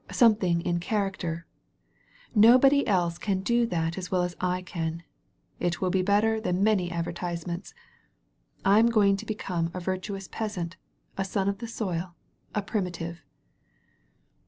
Something in character ! Nobody else can do that as well as I can. It will be better than many advertisements. I am going to become a virtuous peasant, a son of the soil, a primitive.